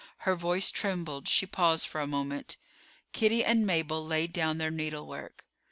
Her voice trembled; she paused for a moment. Kitty and Mabel laid down their needlework.